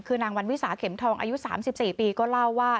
คือนางวันวิสาเข็มทองอายุ๓๔ปีก็เล่าว่า